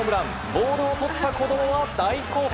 ボールをとった子供は大興奮！